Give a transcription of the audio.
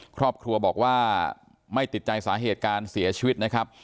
ครอบครัวบอกว่าไม่ติดใจสาเหตุการเสียชีวิตนะครับ